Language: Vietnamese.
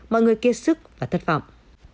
mọi người kia sức và thất vọng